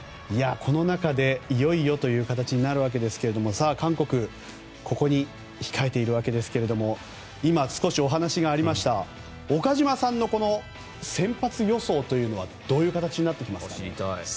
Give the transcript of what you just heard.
この中でいよいよという形になるわけですが韓国ここに控えているわけですが今、少しお話がありました岡島さんの先発予想というのはどういう形になってきますか？